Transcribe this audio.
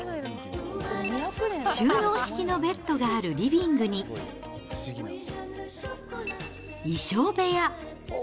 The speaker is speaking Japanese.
収納式のベッドがあるリビングに、衣装部屋。